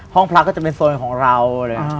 พระก็จะเป็นโซนของเราเลย